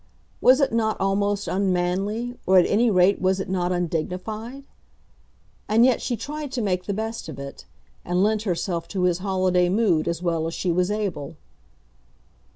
Was it not almost unmanly, or at any rate was it not undignified? And yet she tried to make the best of it, and lent herself to his holiday mood as well as she was able.